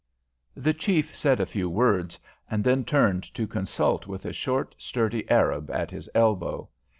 The chief said a few words, and then turned to consult with a short, sturdy Arab at his elbow.